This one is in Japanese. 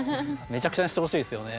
めちゃくちゃにしてほしいですよね。